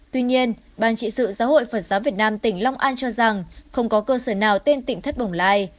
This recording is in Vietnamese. tuy nhiên ban trị sự giáo hội phật giáo việt nam tỉnh long an cho rằng không có cơ sở nào tên tỉnh thất bồng lai